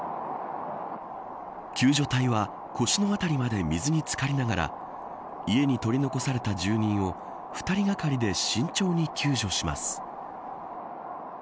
救助隊は腰のあたりまで水につかりながら家に取り残された住民を２人がかりで慎重に救助します。